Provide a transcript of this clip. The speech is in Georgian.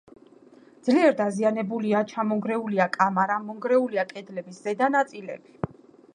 ძლიერ დაზიანებულია, ჩამონგრეულია კამარა, მონგრეულია კედლების ზედა ნაწილები.